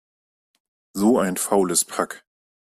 So ein faules Pack!